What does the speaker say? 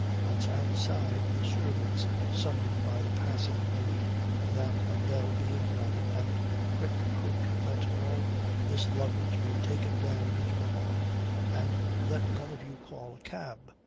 Once outside, the servants summoned by the passing maid without a bell being rung, and quick, quick, let all this luggage be taken down into the hall, and let one of you call a cab.